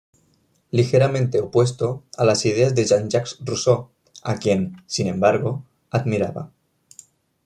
Ligeramente opuesto a las ideas de Jean-Jacques Rousseau a quien, sin embargo, admiraba.